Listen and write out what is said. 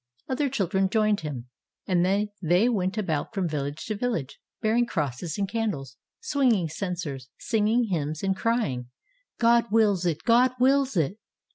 Other children joined him, and they went about from village to village, bearing crosses and candles, swinging censers, singing hymns, and crjong, " God wills it! God wills it!"